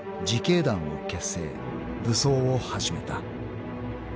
［武装を始めた］